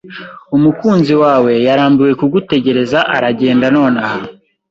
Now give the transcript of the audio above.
Umukunzi wawe yarambiwe kugutegereza aragenda nonaha.